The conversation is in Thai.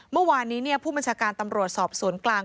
เมื่อวานนี้ผู้บัญชาการตำรวจสอบสวนกลาง